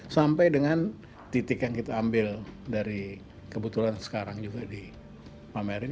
sampai dengan titik yang kita ambil dari kebetulan sekarang juga dipamerin